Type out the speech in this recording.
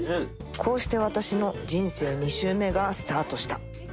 こうして私の人生２周目がスタートした。